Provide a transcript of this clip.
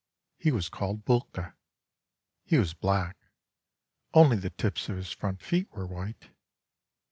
He was called Búlka. He was black; only the tips of his front feet were white.